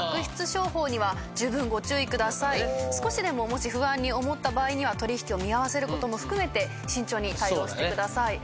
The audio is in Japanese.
少しでももし不安に思った場合には取引を見合わせることも含めて慎重に対応してください。